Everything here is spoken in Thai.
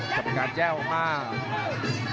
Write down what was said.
กำกัดแย่ลมาก